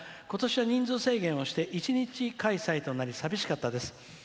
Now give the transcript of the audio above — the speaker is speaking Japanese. ことしは人数制限をして１日開催となり寂しかったです」。